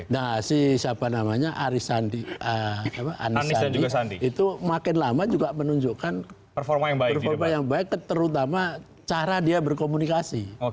nah si siapa namanya anies sandi itu makin lama juga menunjukkan performa yang baik terutama cara dia berkomunikasi